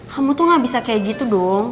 kamu tuh gak bisa kayak gitu dong